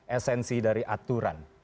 esensi dari aturan